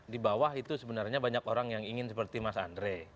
di bawah itu sebenarnya banyak orang yang ingin seperti mas andre